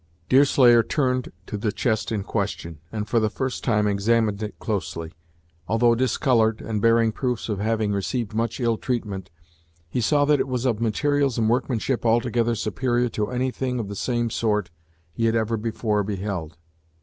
Deerslayer turned to the chest in question, and for the first time examined it closely. Although discolored, and bearing proofs of having received much ill treatment, he saw that it was of materials and workmanship altogether superior to anything of the same sort he had ever before beheld.